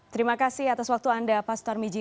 terima kasih atas waktu anda pak sutar miji